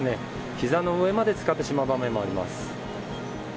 ひざの上までつかってしまう場面もあります。